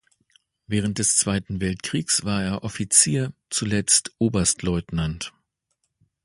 Während des Zweiten Weltkriegs war er Offizier, zuletzt Oberstleutnant.